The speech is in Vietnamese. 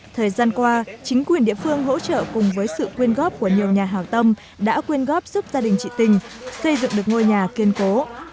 thời gian qua chính quyền địa phương hỗ trợ cùng với sự quyên góp của nhiều nhà hào tâm đã quyên góp giúp gia đình chị tình xây dựng được ngôi nhà kiên cố